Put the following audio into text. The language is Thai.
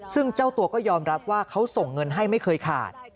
ซึ่งเจ้าตัวก็ยอมรับว่าเขาส่งเงินให้ไม่เคยขาด